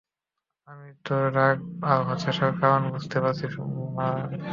আমি তোর রাগ আর হতাশার কারণটা বুঝতে পারছি, মারান।